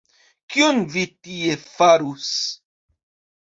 Kion vi tie farus?